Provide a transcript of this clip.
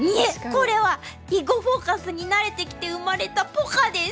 これは「囲碁フォーカス」に慣れてきて生まれたポカです。